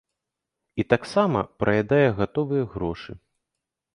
І таксама праядае гатовыя грошы.